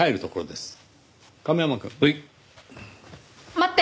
待って！